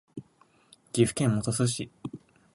岐阜県本巣市